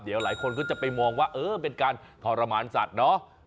เดี๋ยวหลายคนก็จะไปมองว่าเออเป็นการทรมานสัตว์เนาะ